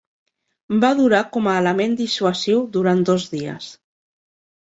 Va durar com a element dissuasiu durant dos dies.